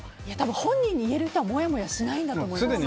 本人に言える人はもやもやしないと思います。